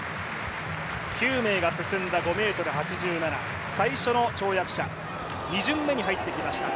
９名が進んだ５ｍ８７、最初の跳躍者、２巡目に入ってきました。